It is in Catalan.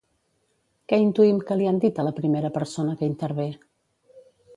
Què intuïm que li han dit a la primera persona que intervé?